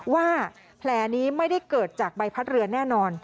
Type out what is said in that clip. ว่าแผลนี้ไม่ได้เกิดจากใบพัดเรือแน่นอน